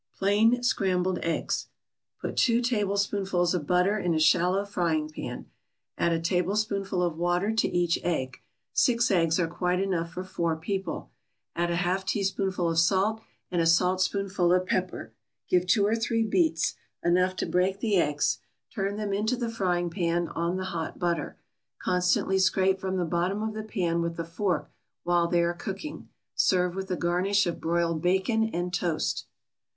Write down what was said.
PLAIN SCRAMBLED EGGS Put two tablespoonfuls of butter in a shallow frying pan. Add a tablespoonful of water to each egg. Six eggs are quite enough for four people. Add a half teaspoonful of salt, and a saltspoonful of pepper. Give two or three beats enough to break the eggs; turn them into the frying pan, on the hot butter. Constantly scrape from the bottom of the pan with a fork, while they are cooking. Serve with a garnish of broiled bacon and toast.